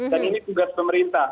dan ini tugas pemerintah